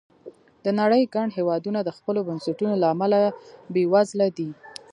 د نړۍ ګڼ هېوادونه د خپلو بنسټونو له امله بېوزله دي.